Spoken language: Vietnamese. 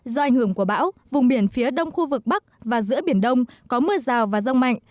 do ảnh hưởng của bão vùng biển phía đông khu vực bắc và giữa biển đông có mưa rào và rông mạnh